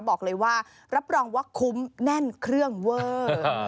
บอกเลยว่ารับรองว่าคุ้มแน่นเครื่องเวอร์